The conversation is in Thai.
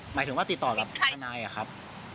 หมายถึงว่าติดต่อกับทนายอะครับ